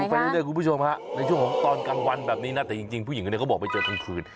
อ้าวคุณผู้ชมฮะในช่วงของตอนกลางวันแบบนี้นะแต่จริงผู้หญิงเนี่ยก็บอกไปเจอกันทั้งคืน